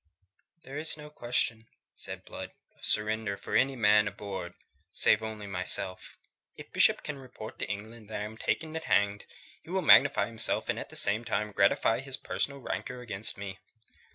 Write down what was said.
"There is no question," said Blood, "of surrender for any man aboard save only myself. If Bishop can report to England that I am taken and hanged, he will magnify himself and at the same time gratify his personal rancour against me.